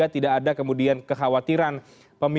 tidak ada masalah kpb